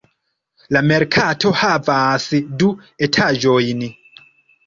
La merkato havas du etaĝojn.